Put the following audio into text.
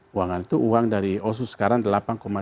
keuangan itu uang dari otsus sekarang